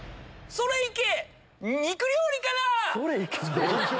「それいけ」？